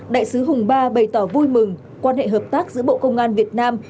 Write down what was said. đại sứ hùng ba bày tỏ vui mừng quan hệ hợp tác giữa bộ công an việt nam